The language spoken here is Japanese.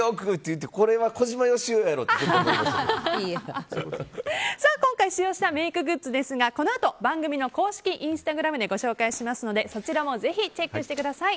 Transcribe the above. って、これは今回、使用したメイクグッズですがこのあと番組の公式インスタグラムでご紹介しますのでそちらもぜひチェックしてみてください。